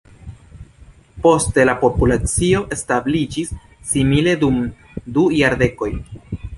Poste la populacio stabiliĝis simile dum du jardekoj.